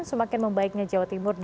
semakin membaiknya jawa timur